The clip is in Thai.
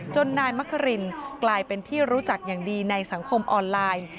นายมะครินกลายเป็นที่รู้จักอย่างดีในสังคมออนไลน์